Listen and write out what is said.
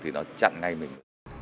thì nó chặn ngay mình